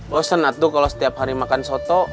lo senat tuh kalau setiap hari makan soto